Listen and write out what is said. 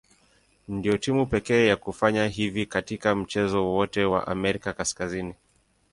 Ndio timu pekee ya kufanya hivi katika mchezo wowote wa Amerika Kaskazini.